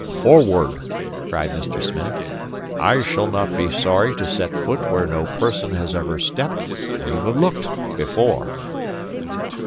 "Forward," cried Mr. Smith. "I shall not be sorry to set foot where no person has ever stepped, or even looked, before."